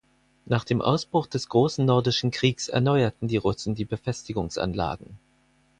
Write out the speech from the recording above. Nach dem Ausbruch des Großen Nordischen Kriegs erneuerten die Russen die Befestigungsanlagen.